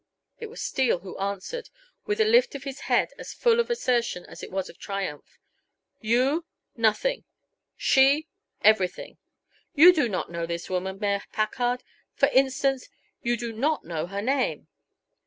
It was Steele who answered, with a lift of his head as full of assertion as it was of triumph. "You? nothing; she? everything. You do not know this woman, Mayor Packard; for instance, you do not know her name."